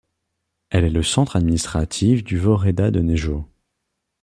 Elle est le centre administratif du woreda de Nejo.